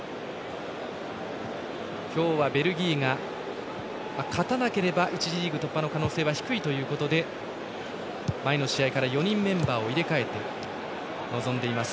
今日はベルギーが勝たなければ１次リーグ突破の可能性は低いということで前の試合から４人メンバーを入れ替えて臨んでいます。